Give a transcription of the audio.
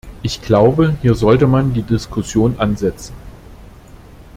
Ich glaube, hier sollte man die Diskussion ansetzen.